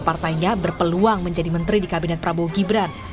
partainya berpeluang menjadi menteri di kabinet prabowo gibran